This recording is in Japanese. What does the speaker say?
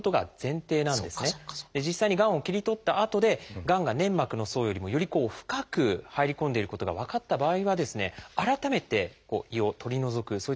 実際にがんを切り取ったあとでがんが粘膜の層よりもより深く入り込んでいることが分かった場合は改めて胃を取り除くそういったことをしなければいけなくなるんです。